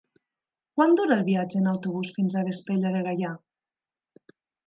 Quant dura el viatge en autobús fins a Vespella de Gaià?